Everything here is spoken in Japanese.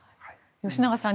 吉永さん